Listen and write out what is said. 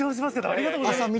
ありがとうございます！